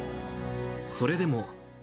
それでも。